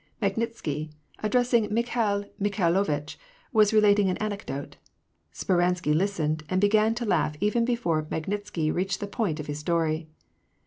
Magnitsky, addressing Mikhail Mikhailo vitch, was relating an anecdote. Speransky listened, and began to laugh even before Magnitsky reached the point of his story.